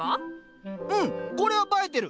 うんこれは映えてる。